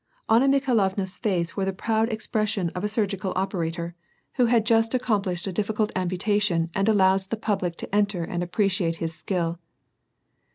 Anna Mikhailovna's face wore the proud expression of a surgical operator, who has just 284 WAR AND PEACE. accomplished a difficult amputation afld allows the public to enter and appreciate his skill.